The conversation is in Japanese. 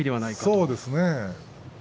そうですね。